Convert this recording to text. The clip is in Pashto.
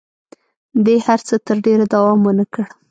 دې هر څه تر ډېره دوام ونه کړ.